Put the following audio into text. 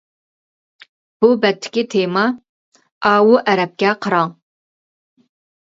بۇ بەتتىكى تېما: ماۋۇ ئەرەبكە قاراڭ!